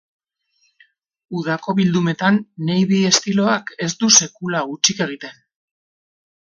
Udako bildumetan navy estiloak ez du sekula hutsik egiten.